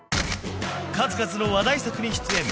数々の話題作に出演